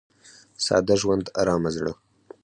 • ساده ژوند، ارامه زړه.